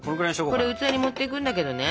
これ器に盛っていくんだけどね。